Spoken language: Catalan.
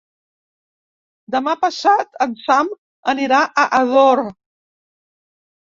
Demà passat en Sam anirà a Ador.